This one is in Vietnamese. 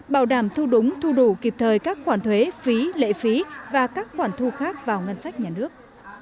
bảo đảm thu đúng thu đủ kịp thời các khoản thuế phí lệ phí và các khoản thu khác vào ngân sách nhà nước